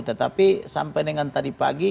tetapi sampai dengan tadi pagi